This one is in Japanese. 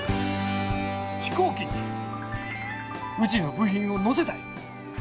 飛行機にうちの部品を乗せたい。